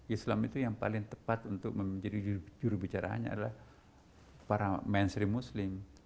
islam itu yang paling tepat untuk menjadi jurubicara hanya adalah para mainstream muslim